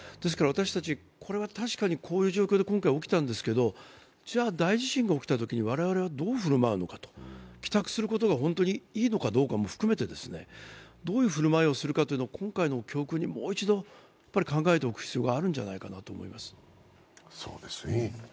ですから私たち、これは確かにこういう状況で起きたんですけど、じゃあ、大地震が起きたときに我々はどう振る舞うのかと、帰宅することが本当にいいのかどうかも含めてどういう振る舞いをするのか今回の教訓にもう一度考えておく必要があるんじゃないかと思います。